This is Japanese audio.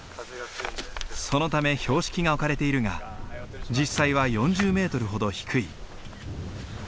そのため標識が置かれているが実際は４０メートルほど低い。